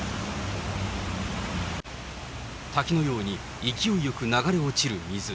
滝のように勢いよく流れ落ちる水。